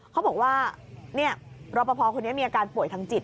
เขาบอกว่ารอปภคนนี้มีอาการป่วยทางจิต